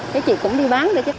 thế chị cũng đi bán rồi chứ